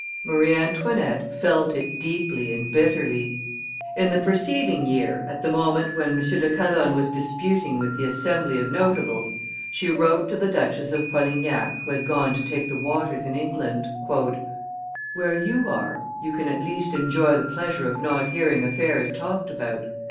Marie Antoinette felt it deeply and bitterly; in the preceding year, at the moment when M. de Calonne was disputing with the Assembly of notables, she wrote to the Duchess of Polignac who had gone to take the waters in England: "Where you are you can at least enjoy the pleasure of not hearing affairs talked about.